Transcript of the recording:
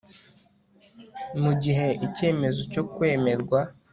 mu gihe icyemezo cyo kwemerwa